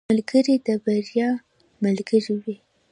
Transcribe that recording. ملګری د بریا ملګری وي.